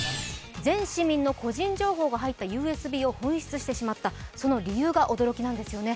全市民の個人情報が入ったＵＳＢを紛失してしまった、その理由が驚きなんですよね。